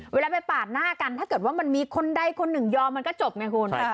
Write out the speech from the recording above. เวลาไปปาดหน้ากันถ้าเกิดว่ามันมีคนใดคนหนึ่งยอมมันก็จบไงคุณ